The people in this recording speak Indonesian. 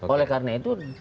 oleh karena itu